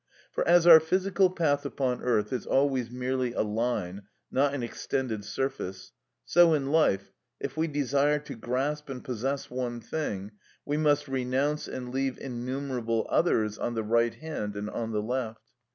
For as our physical path upon earth is always merely a line, not an extended surface, so in life, if we desire to grasp and possess one thing, we must renounce and leave innumerable others on the right hand and on the left.